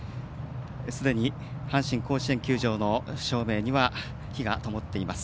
すでに、阪神甲子園球場の照明には灯がともっています。